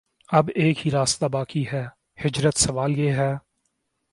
اب ایک ہی راستہ باقی ہے: ہجرت سوال یہ ہے